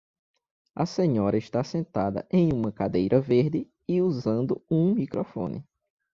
A senhora está sentada em uma cadeira verde e usando um microfone.